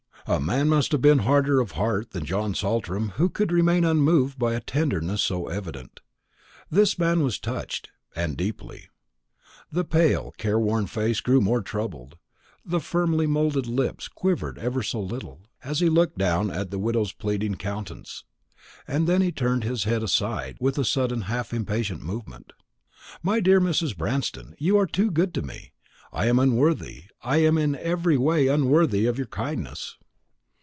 A man must have been harder of heart than John Saltram who could remain unmoved by a tenderness so evident. This man was touched, and deeply. The pale careworn face grew more troubled, the firmly moulded lips quivered ever so little, as he looked down at the widow's pleading countenance; and then he turned his head aside with a sudden half impatient movement. "My dear Mrs. Branston, you are too good to me; I am unworthy, I am in every way unworthy of your kindness."